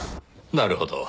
なるほど。